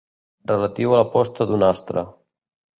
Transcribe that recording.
Relatiu a la posta d'un astre.